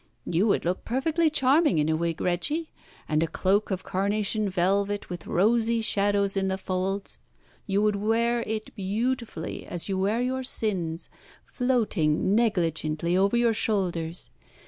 You would look perfectly charming in a wig, Reggie, and a cloak of carnation velvet with rosy shadows in the folds. You would wear it beautifully, as you wear your sins, floating negligently over your shoulders.